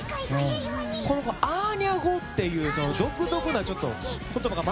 この子、アーニャ語っていう独特な言葉が。